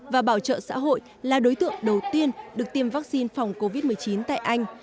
và bảo trợ xã hội là đối tượng đầu tiên được tiêm vaccine phòng covid một mươi chín tại anh